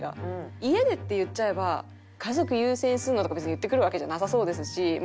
「家で」って言っちゃえば「家族優先するの？」とか別に言ってくるわけじゃなさそうですしま